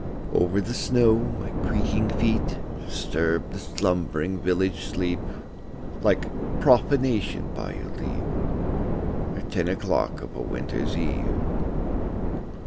Over the snow my creaking feet Disturbed the slumbering village street Like profanation, by your leave, At ten o'clock of a winter eve.